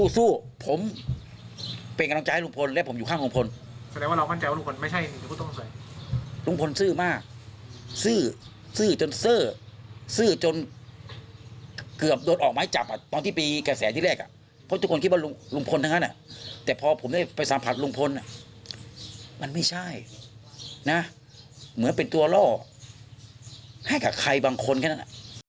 แต่พอผมได้ไปสัมผัสลุงพลมันไม่ใช่นะเหมือนเป็นตัวลอกให้กับใครบางคนแค่นั้น